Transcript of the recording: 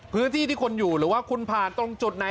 พื้นที่ที่คุณอยู่หรือว่าคุณผ่านตรงจุดไหน